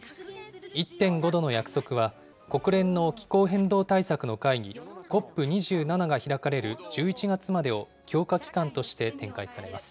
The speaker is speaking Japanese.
１．５℃の約束は、国連の気候変動対策の会議、ＣＯＰ２７が開かれる１１月までを強化期間として展開されます。